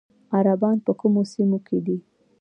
عربان په کومو سیمو کې دي؟